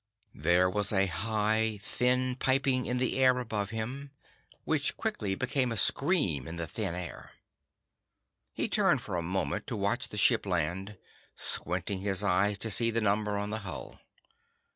There was a high, thin piping in the sky above him which quickly became a scream in the thin air. He turned for a moment to watch the ship land, squinting his eyes to see the number on the hull.